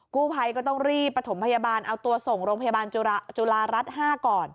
กู้ภัยก็ต้องรีบประถมพยาบาลเอาตัวส่งโรงพยาบาลจุฬารัฐ๕ก่อน